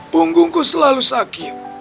punggungku selalu sakit